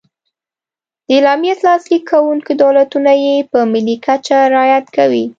د اعلامیې لاسلیک کوونکي دولتونه یې په ملي کچه رعایت کوي.